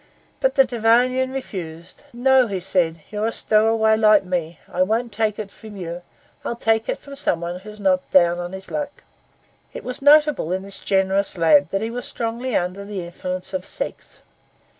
But the Devonian refused. 'No,' he said, 'you're a stowaway like me; I won't take it from you, I'll take it from some one who's not down on his luck.' It was notable in this generous lad that he was strongly under the influence of sex.